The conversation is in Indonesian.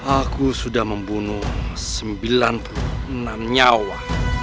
aku sudah membunuh sembilan puluh enam nyawa